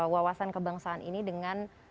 wawasan kebangsaan ini dengan